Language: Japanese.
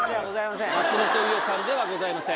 松本伊代さんではございません。